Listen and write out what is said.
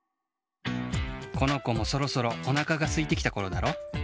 このこもそろそろおなかがすいてきたころだろ。